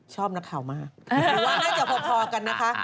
ชอบนักข่าวมากหรือว่าน่าจะพอกันนะคะ